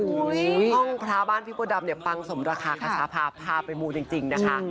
ครองพระพระบ้านพี่มดดำตำปังสมราคาค้าสามารถพาไปมูลจริงนะคะ